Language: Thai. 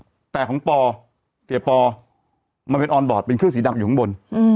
แต่ของปอเสียปอมันเป็นออนบอร์ดเป็นเครื่องสีดำอยู่ข้างบนอืม